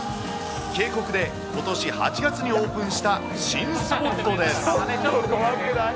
渓谷でことし８月にオープンした新スポットです。